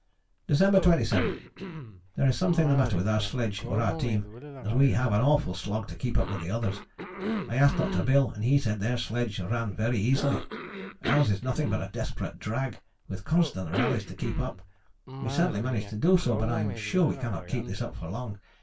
] December 27. There is something the matter with our sledge or our team, as we have an awful slog to keep up with the others. I asked Dr. Bill and he said their sledge ran very easily. Ours is nothing but a desperate drag with constant rallies to keep up. We certainly manage to do so, but I am sure we cannot keep this up for long.